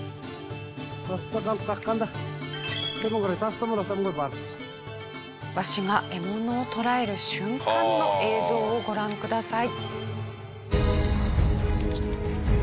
すごい！続いてはワシが獲物を捕らえる瞬間の映像をご覧ください。